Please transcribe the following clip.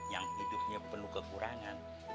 yang hidupnya penuh kekurangan